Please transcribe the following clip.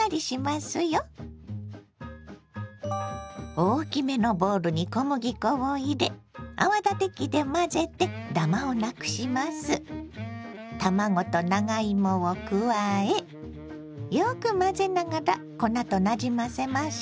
大きめのボウルに小麦粉を入れ卵と長芋を加えよく混ぜながら粉となじませましょ。